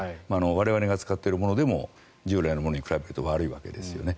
我々が使っているものでも従来のものと比べると悪いわけですよね。